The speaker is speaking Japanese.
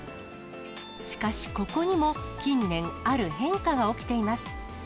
しかし、ここにも近年、ある変化が起きています。